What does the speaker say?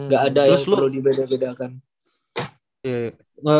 gak ada yang perlu dibedakan